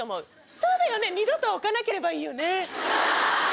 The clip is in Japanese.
そうだよね二度と置かなければいいよね。